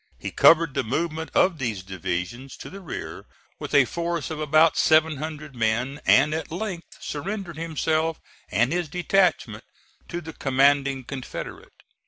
He covered the movement of these divisions to the rear with a force of about seven hundred men, and at length surrendered himself and this detachment to the commanding Confederate.